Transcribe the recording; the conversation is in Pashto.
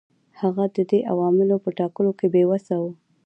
هغه د دې عواملو په ټاکلو کې بې وسه و.